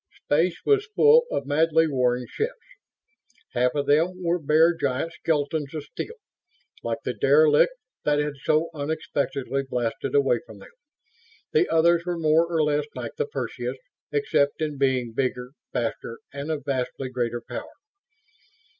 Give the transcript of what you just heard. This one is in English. Space was full of madly warring ships. Half of them were bare, giant skeletons of steel, like the "derelict" that had so unexpectedly blasted away from them. The others were more or less like the Perseus, except in being bigger, faster and of vastly greater power.